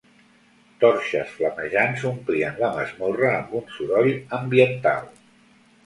Torxes flamejants omplien la masmorra amb un soroll ambiental.